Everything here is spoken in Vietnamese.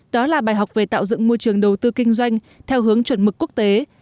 đó là bài học về tạo dựng môi trường đầu tư kinh doanh theo hướng chuẩn mực quốc tế